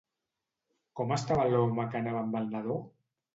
Com estava l'home que anava amb el nadó?